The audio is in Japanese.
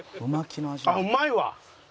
あっうまいわ！